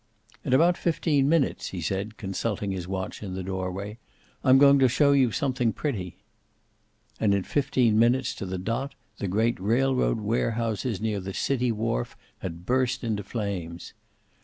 "In about fifteen minutes," he said, consulting his watch in the doorway, "I'm going to show you something pretty." And in fifteen minutes to the dot the great railroad warehouses near the city wharf had burst into flames.